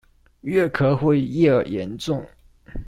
越咳會越嚴重